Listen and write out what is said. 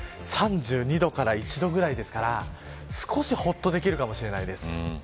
３２度から３１度ぐらいですから少しほっとできるかもしれないです。